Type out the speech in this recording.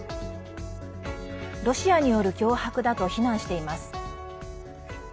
ロシアによる脅迫だと非難しています。